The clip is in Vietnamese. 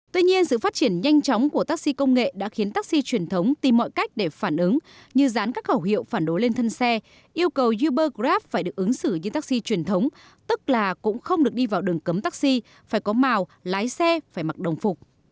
tuy nhiên sự phát triển nhanh chóng của taxi công nghệ đã khiến taxi truyền thống tìm mọi cách để phản ứng như dán các khẩu hiệu phản đối lên thân xe yêu cầu uber grab phải được ứng xử như taxi truyền thống tức là cũng không được đi vào đường cấm taxi phải có màu lái xe phải mặc đồng phục